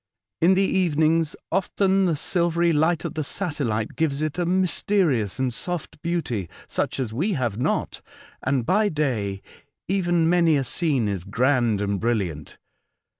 In the evenings often the silvery light of the satellite gives it a mysterious and soft beauty, such as we have not, and by day even many a scene is grand and brilliant.